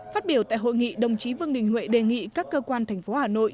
phát biểu tại hội nghị đồng chí vương đình huệ đề nghị các cơ quan thành phố hà nội